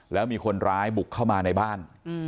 แล้วมีคนร้ายบุกเข้ามาในบ้าน